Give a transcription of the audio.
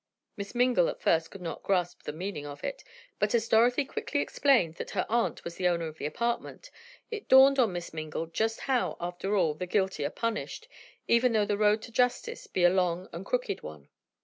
Miss Mingle at first could not grasp the meaning of it, but as Dorothy quickly explained that her aunt was the owner of the apartment, it dawned on Miss Mingle just how, after all, the guilty are punished, even though the road to justice be a long and crooked one.